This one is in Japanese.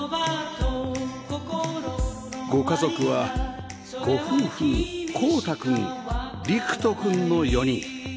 ご家族はご夫婦晃太君陸斗君の４人